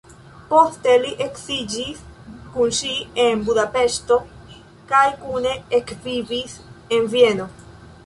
Poste li edziĝis kun ŝi en Budapeŝto kaj kune ekvivis en Vieno.